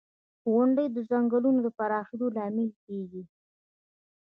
• غونډۍ د ځنګلونو د پراخېدو لامل کېږي.